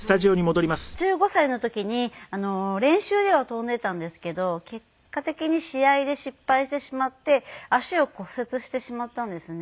１５歳の時に練習では跳んでいたんですけど結果的に試合で失敗してしまって足を骨折してしまったんですね。